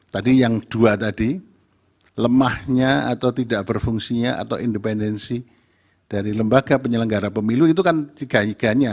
tadi yang dua tadi lemahnya atau tidak berfungsinya atau independensi dari lembaga penyelenggara pemilu itu kan tiga tiganya